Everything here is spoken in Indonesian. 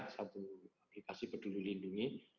satu aplikasi peduli lindungi